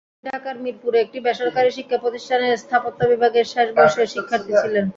তিনি ঢাকার মিরপুরে একটি বেসরকারি শিক্ষাপ্রতিষ্ঠানের স্থাপত্য বিভাগের শেষ বর্ষের শিক্ষার্থী ছিলেন।